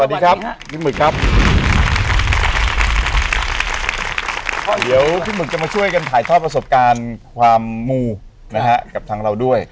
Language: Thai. แล้วพี่หมึกจะมาช่วยกันถ่ายทอดประสบการณ์ความมูกับทั้งเราด้วย